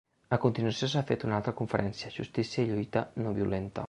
A continuació s’ha fet una altra conferència: Justícia i lluita no violenta.